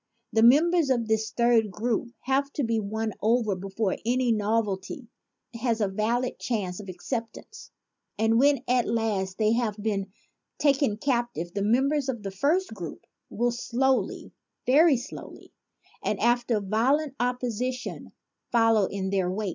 The members of this third group have to be won over before any novelty has a valid chance of acceptance; and when at last they have been taken captive, the members of the first group will slowly, very slowly, and after violent op position, follow in their wake.